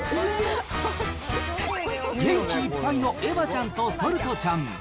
元気いっぱいのエヴァちゃんとソルトちゃん。